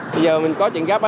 bây giờ mình có chuyện gấp